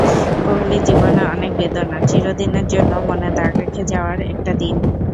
কোহলির জীবনে অনেক বেদনার, চিরদিনের জন্য মনে দাগ রেখে যাওয়ার একটা দিন।